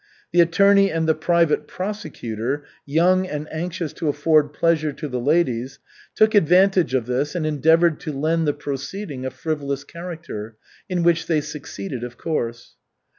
The attorney and the private prosecutor, young and anxious to afford pleasure to the ladies, took advantage of this and endeavored to lend the proceeding a frivolous character, in which they succeeded, of course.